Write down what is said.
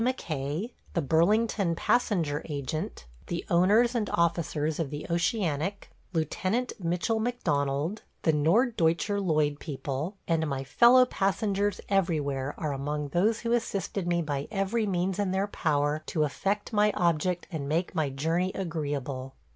McKay, the Burlington Passenger Agent, the owners and officers of the Oceanic, Lieutenant Mitchell McDonald, the Norddeutscher Lloyd people, and my fellow passengers everywhere are among those who assisted me by every means in their power to effect my object and make my journey agreeable.